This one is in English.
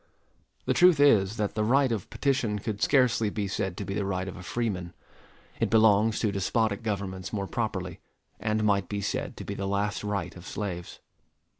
The truth is, that the right of petition could scarcely be said to be the right of a freeman. It belongs to despotic governments more properly, and might be said to be the last right of slaves.